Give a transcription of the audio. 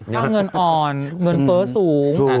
ถ้าเงินอ่อนเงินเฟ้อสูง